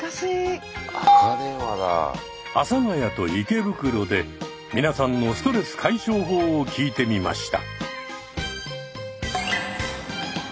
阿佐ヶ谷と池袋で皆さんのストレス解消法を聞いてみました。